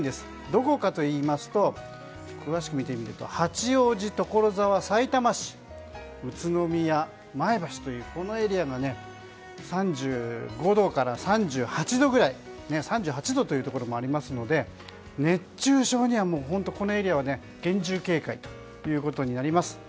どこかといいますと詳しく見てみると八王子、所沢、さいたま市宇都宮、前橋というエリアが３５度から３８度というところもありますので熱中症には本当にこのエリアは厳重警戒となります。